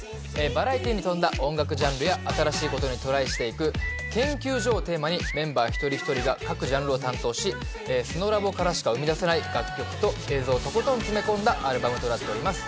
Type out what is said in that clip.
バラエティーに富んだ音楽ジャンルや新しい事にトライしていく研究所をテーマにメンバー一人一人が各ジャンルを担当し「ＳｎｏｗＬａｂｏ．」からしか生み出せない楽曲と映像をとことん詰め込んだアルバムとなっております。